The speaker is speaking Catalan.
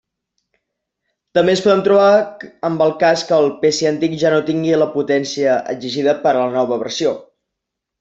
També ens podem trobar amb el cas que el PC antic ja no tingui la potència exigida per a la nova versió.